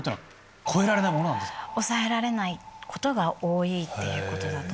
抑えられないことが多いっていうことだと。